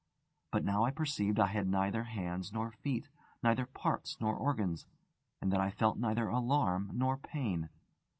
But now I perceived I had neither hands nor feet, neither parts nor organs, and that I felt neither alarm nor pain.